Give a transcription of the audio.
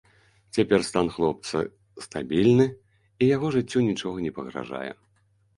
Цяпер стан хлопцы стабільны, і яго жыццю нічога не пагражае.